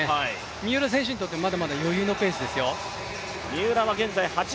三浦選手にとっては、まだまだ余裕のペースですよ。